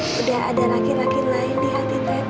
teteh sudah ada laki laki lain di hati teteh